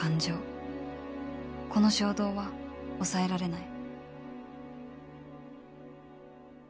この衝動は抑えられない